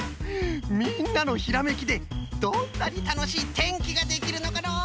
みんなのひらめきでどんなにたのしいてんきができるのかのう！